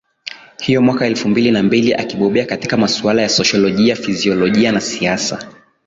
hiyo mwaka elfu mbili na mbili akibobea katika masuala ya Sosholojia Fiziolojia na Siasa